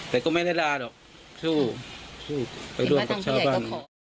แต่ก็ไม่ได้ล่าหรอกสู้สู้ไปร่วมกับชาวบ้าน